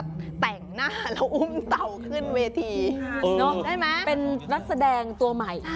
แต่งหน้าแล้วอุ้มเต่าขึ้นเวทีได้ไหมเป็นนักแสดงตัวใหม่